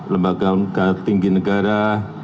lembaga tinggi negara